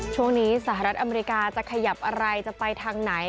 ช่วงนี้สหรัฐอเมริกาจะขยับอะไรจะไปทางไหน